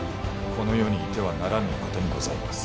この世にいてはならぬお方にございます。